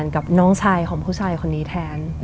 กับน้องชายของผู้ชายคนนี้แทน